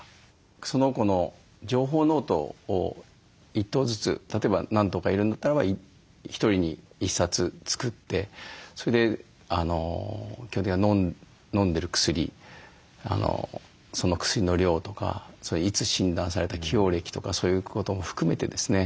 その子の情報ノートを１頭ずつ例えば何頭かいるんだったらば１人に１冊作ってそれで基本的にはのんでる薬その薬の量とかいつ診断された既往歴とかそういうことも含めてですね